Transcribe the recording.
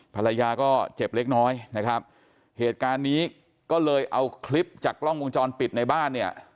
ภรรยาก็เจ็บเล็กน้อยนะครับเหตุการณ์นี้ก็เลยเอาคลิปจากกล้องวงจรปิดในบ้านเนี่ย